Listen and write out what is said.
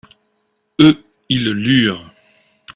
Eux, ils lurent.